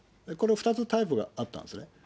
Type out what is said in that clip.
この２つタイプがあったんですね。